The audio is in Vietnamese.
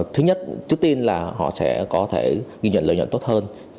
thứ nhất trước tiên là họ sẽ có thể ghi nhận lợi nhuận tốt hơn